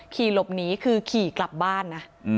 ขี่หลบหนีคือขี่กลับบ้านนะ